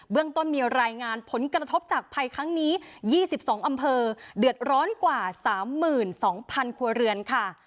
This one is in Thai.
เรื่องต้นมีรายงานผลกระทบจากภัยครั้งนี้๒๒อำเภอเดือดร้อนกว่า๓๒๐๐๐ครัวเรือนค่ะ